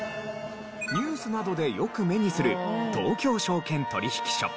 ニュースなどでよく目にする東京証券取引所。